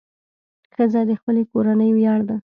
ښځه د خپلې کورنۍ ویاړ ده.